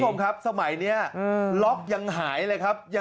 คุณผู้ชมครับสมัยนี้ล็อกยังหายเลยครับ